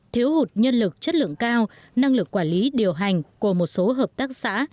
thiếu hụt nhân lực chất lượng cao năng lực quản lý điều hành của một số hợp tác xã